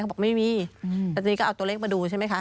บอกไม่มีแต่ทีนี้ก็เอาตัวเลขมาดูใช่ไหมคะ